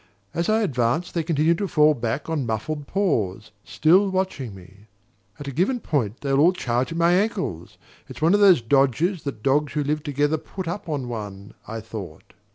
As I advanced they continued to fall back on muffled paws, still watching me. "At a given point, they'll all charge at my ankles: it's one of the dodges that dogs who live together put up on one," I thought.